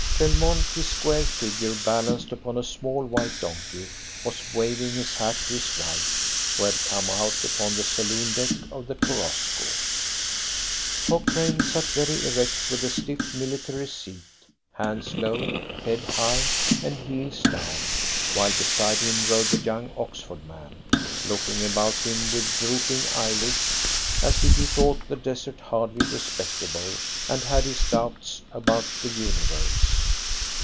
Belmont, his square figure balanced upon a small white donkey, was waving his hat to his wife, who had come out upon the saloon deck of the Korosko. Cochrane sat very erect with a stiff military seat, hands low, head high, and heels down, while beside him rode the young Oxford man, looking about him with drooping eyelids as if he thought the desert hardly respectable, and had his doubts about the Universe.